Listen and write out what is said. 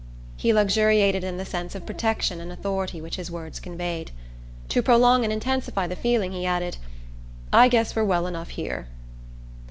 He luxuriated in the sense of protection and authority which his words conveyed. To prolong and intensify the feeling he added: "I guess we're well enough here."